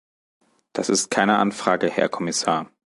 Das ist keine Anfrage, Herr Kommissar.